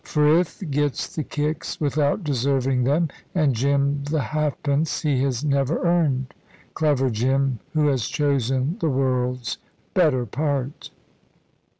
Frith gets the kicks without deserving them, and Jim the half pence he has never earned. Clever Jim, who has chosen the world's better part."